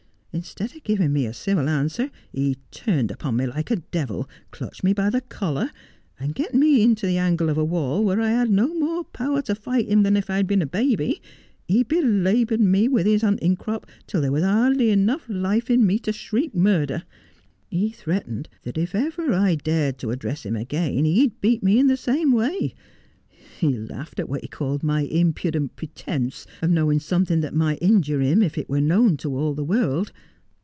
Instead of giving me a civil answer he turned upon me like a devil, clutched me by the collar, and, getting me into an angle of the wall where I had no more power to fight him than if I'd been a baby, he belaboured me with his hunting crop till there was hardly enough life in me to shriek murder. He threatened that if ever I dared to address him again he'd beat me in the same way. He laughed at what he called my impudent pretence of knowing something that might injure him if it were known to all the world.